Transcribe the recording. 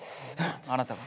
あなたが。